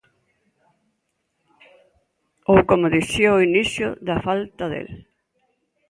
Ou, como dicía ao inicio, da falta del.